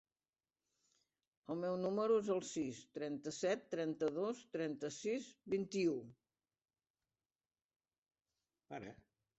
El meu número es el sis, trenta-set, trenta-dos, trenta-sis, vint-i-u.